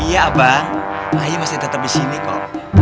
iya bang ayo masih tetep di sini kok